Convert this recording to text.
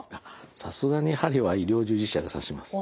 さすがに針は医療従事者で刺します。